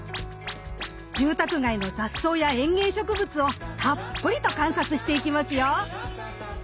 住宅街の雑草や園芸植物をたっぷりと観察していきますよ。